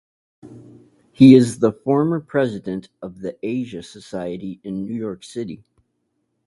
He is the former president of the Asia Society in New York City.